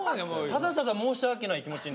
ただただ申し訳ない気持ちになった。